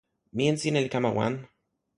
mi en sina li kama wan.